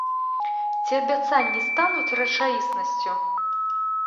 Ці абяцанні стануць рэчаіснасцю?